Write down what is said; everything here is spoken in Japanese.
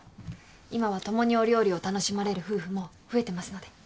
今は共にお料理を楽しまれる夫婦も増えてますので。